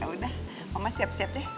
yaudah mama siap siap deh